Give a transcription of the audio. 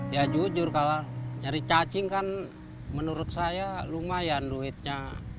ya jujur kalau nyari cacing kan menurut saya lumayan duitnya